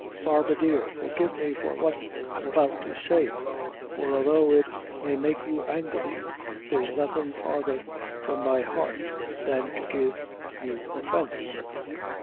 "Father, dear, forgive me for what I'm about to say; for, although it may make you angry, there's nothin' farther from my heart than to give you offence."